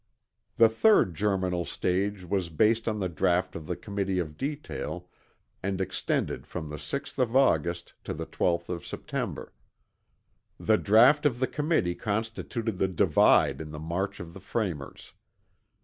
The third germinal stage was based on the draught of the Committee of Detail and extended from the 6th of August to the 12th of September. The draught of the Committee constituted the divide in the march of the framers.